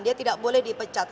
dia tidak boleh dipecat